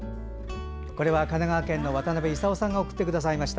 神奈川県茅ヶ崎市の渡辺勲さんが送ってくださいました。